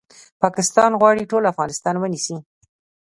پاکستان غواړي ټول افغانستان ونیسي